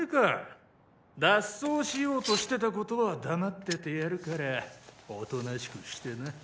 脱走しようとしてたことは黙っててやるから大人しくしてな。